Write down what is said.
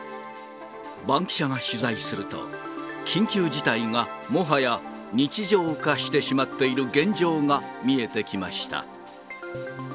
バンキシャが取材すると、緊急事態がもはや日常化してしまっている現状が見えてきました。